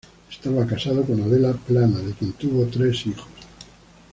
Estaba casado con Adela Plana, de quien tuvo tres hijos.